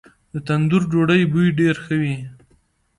د تندور ډوډۍ بوی ډیر ښه وي.